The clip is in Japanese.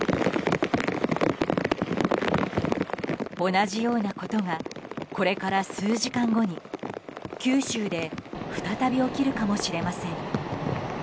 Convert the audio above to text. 同じようなことがこれから数時間後に九州で再び起きるかもしれません。